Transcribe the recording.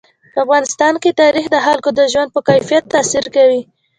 په افغانستان کې تاریخ د خلکو د ژوند په کیفیت تاثیر کوي.